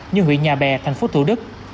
như huyện nhà bè thành phố thủ đức